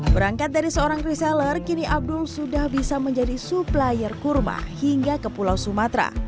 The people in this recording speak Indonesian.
berangkat dari seorang reseller kini abdul sudah bisa menjadi supplier kurma hingga ke pulau sumatera